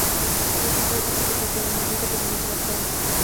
তিনি সরকারি চাকরিতে যোগ দেন এবং দ্রুত পদোন্নতি লাভ করে।